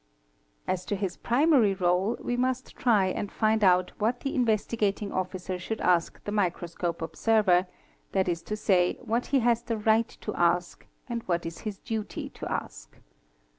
As to his primary réle, we must try and find out what the Investigating Officer should ask the microscope observer, that is to say, what he has the right to ask and what it is his duty to ask.